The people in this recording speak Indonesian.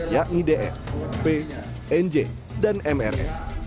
yakni ds p nj dan mrs